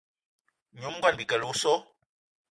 Nyom ngón Bikele o so!